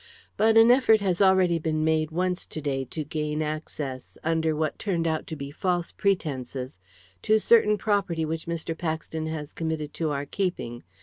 But an effort has already been made once to day to gain access under what turned out to be false pretences to certain property which Mr. Paxton has committed to our keeping.